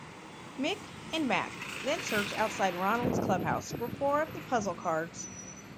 Mick and Mack then search outside Ronald's clubhouse for four of the puzzle cards.